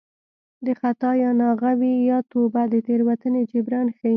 د خطا یا ناغه وي یا توبه د تېروتنې جبران ښيي